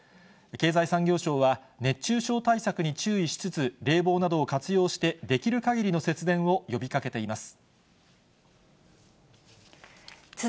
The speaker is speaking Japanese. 経済産業省は、熱中症対策に注意しつつ、冷房などを活用して、できるかぎりの節電を呼びかけています。